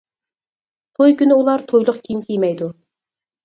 توي كۈنى ئۇلار تويلۇق كىيىم كىيمەيدۇ.